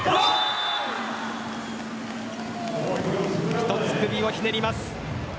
一つ首をひねります。